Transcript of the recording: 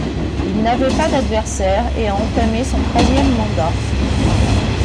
Il n'avait pas d'adversaire et a entamé son troisième mandat.